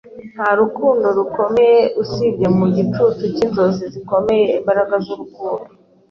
Nta rukundo rukomeye usibye mu gicucu cyinzozi zikomeye Imbaraga z'urukundo.